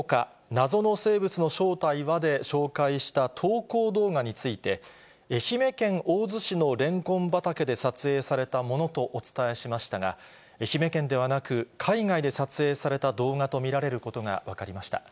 なぞの生物の正体はで紹介した投稿動画について、愛媛県大洲市のレンコン畑で撮影されたものとお伝えしましたが、愛媛県ではなく、海外で撮影された動画と見られることが分かりました。